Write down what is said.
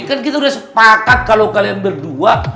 kan kita udah sepakat kalau kalian berdua